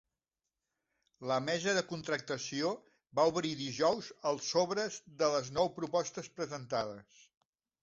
La mesa de contractació va obrir dijous els sobres de les nou propostes presentades.